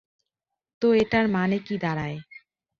তো এটার মানে কী দাঁড়ায়?